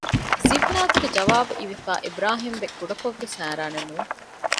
ޒިބްނާތުގެ ޖަވާބު އިވިފައި އިބްރާހީމްބެ ކުޑަކޮށްވެސް ހައިރާނެއްނުވެ